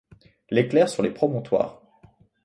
L'éclair sur les promontoires